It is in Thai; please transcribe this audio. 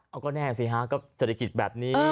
เอาก็แน่สิฮะก็เศรษฐกิจแบบนี้